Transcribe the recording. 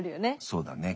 そうだね。